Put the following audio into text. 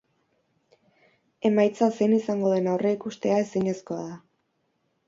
Emaitza zein izango den aurreikustea ezinezkoa da.